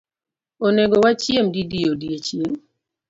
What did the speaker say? Onego wachiem didi odiechieng’?